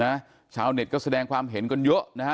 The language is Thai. ชาวเน็ตก็แสดงความเห็นกันเยอะนะฮะ